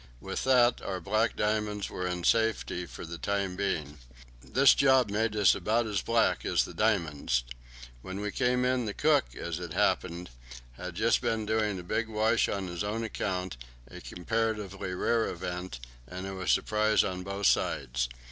With that our "black diamonds" were in safety for the time being. This job made us about as black as the "diamonds." When we came in the cook, as it happened, had just been doing a big wash on his own account a comparatively rare event and there was surprise on both sides.